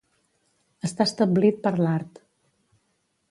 Està establit per l'art.